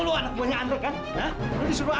dek harus yang pencuri